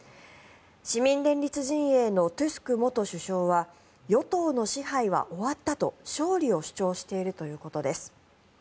市民連立陣営のトゥスク元首相は与党の支配は終わったと勝利を主張しているということです。